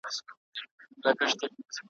نفس خیژي له ځګره.